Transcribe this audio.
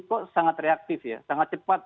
kok sangat reaktif ya sangat cepat